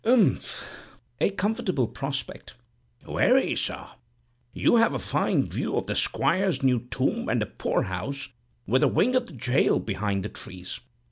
"Umph! a comfortable prospect." "Very, sir; you have a fine view of the squire's new tomb and the poorhouse, with a wing of the jail behind the trees.